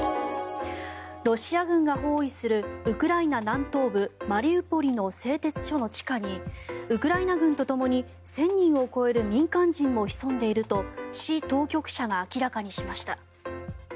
ロシア軍が包囲するウクライナ南東部マリウポリの製鉄所の地下にウクライナ軍とともに１０００人を超える民間人も潜んでいると市当局者が明らかにしました。